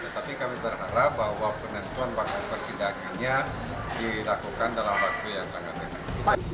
tapi kami berharap bahwa penentuan bahkan persidangannya dilakukan dalam waktu yang sangat tinggi